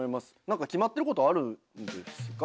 決まってることあるんですか？